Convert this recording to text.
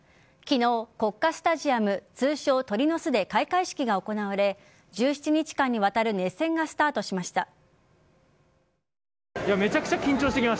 昨日、国家スタジアム通称・鳥の巣で開会式が行われ１７日間にわたる熱戦がスタートしました。